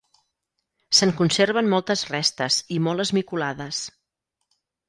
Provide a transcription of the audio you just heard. Se'n conserven moltes restes, i molt esmicolades.